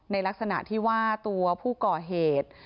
ในลักษณะที่ว่าตัวผู้ก่อเหตุ